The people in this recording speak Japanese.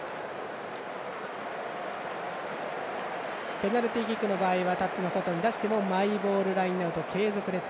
ペナルティーキックの場合はタッチの外に出してもマイボールラインアウト継続です。